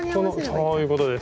そういうことです！